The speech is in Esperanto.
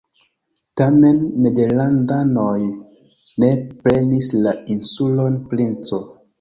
Tamen nederlandanoj ne prenis la insulon Princo.